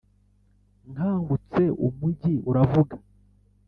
nkangutse, umujyi uravuga.